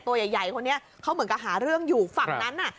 โดยใหญ่ใหญ่คนเนี้ยเขาเหมือนกันหาเรื่องอยู่ฝั่งนั้นอ่ะ